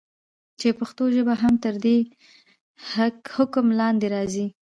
چې پښتو ژبه هم تر دي حکم لاندي راځي.